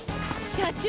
社長！